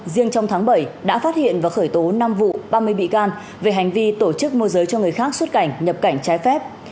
riêng trong tháng bảy đã phát hiện và khởi tố năm vụ ba mươi bị can về hành vi tổ chức môi giới cho người khác xuất cảnh nhập cảnh trái phép